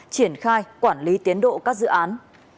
triển khai quản lý tiến độ các dự án